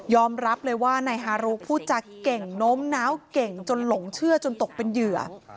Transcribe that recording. รับเลยว่านายฮารุพูดจากเก่งโน้มน้าวเก่งจนหลงเชื่อจนตกเป็นเหยื่อ